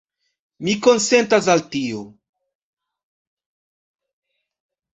Mi konsentas al tio.